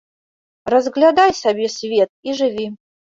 Разглядай сабе свет і жыві.